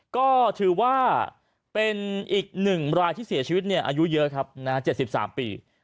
ก็ถือว่าเป็นอีก๑รายที่เสียชีวิตอายุเยอะครับ๗๓ปี